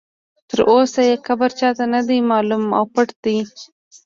تر اوسه یې قبر چا ته نه دی معلوم او پټ دی.